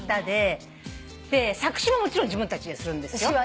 で作詞ももちろん自分たちでするんですよ。